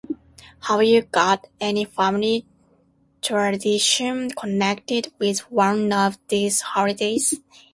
Have you got any family tradition connected with one of these holidays?